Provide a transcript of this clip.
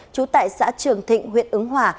trú tại xã trường thịnh huyện ứng hòa